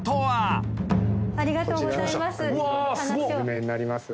ありがとうございます。